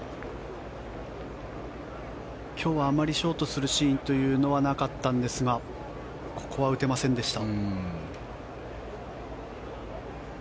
今日はあまりショートするシーンというのはなかったんですがここは打てませんでした。